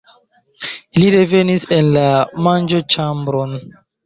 Ili revenis en la manĝoĉambron.